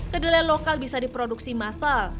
kedelai lokal bisa diproduksi massal